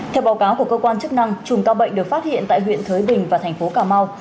theo báo cáo của cơ quan chức năng chùm ca bệnh được phát hiện tại huyện thới bình và thành phố cà mau